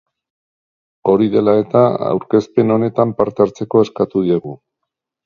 Hori dela eta, aurkezpen honetan parte hartzeko eskatu diegu.